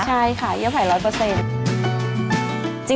ใช่ค่ะเยื่อไผ่๑๐๐